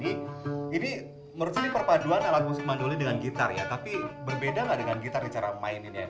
ini menurut saya perpaduan alat musik mandolin dengan gitar ya tapi berbeda gak dengan gitar di cara memainkannya